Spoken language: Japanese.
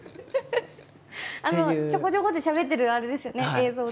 ちょこちょこってしゃべってるあれですよね映像で。